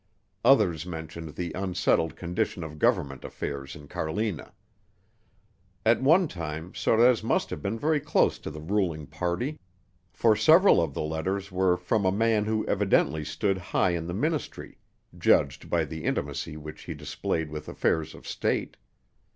Others mentioned the unsettled condition of government affairs in Carlina. At one time Sorez must have been very close to the ruling party, for several of the letters were from a man who evidently stood high in the ministry, judged by the intimacy which he displayed with affairs of state.